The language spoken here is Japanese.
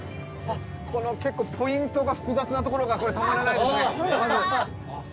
この結構ポイントが複雑なところがこれたまらないですね。